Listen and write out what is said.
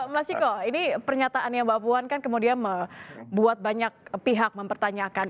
mas ciko ini pernyataannya mbak puan kan kemudian membuat banyak pihak mempertanyakan